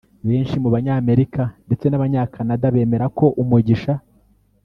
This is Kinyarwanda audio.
Benshi mu banyamerika ndetse n’abanya Canada bemera ko umugisha